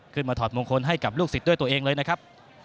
ถอดมงคลให้กับลูกศิษย์ด้วยตัวเองเลยนะครับ